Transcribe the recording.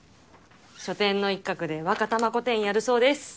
書店の一角でワカタマコ展やるそうです。